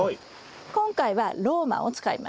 今回はローマンを使います。